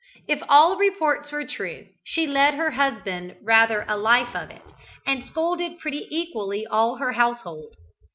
If all reports were true, she led her husband rather a life of it, and scolded pretty equally all her household.